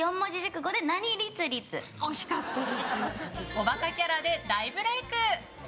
おバカキャラで大ブレーク！